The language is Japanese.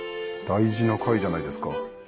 大事な回じゃないですか。